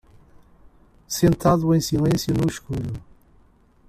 Sentado em silêncio no escuro